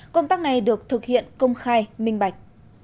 công tác này được thực hiện công khai minh bạch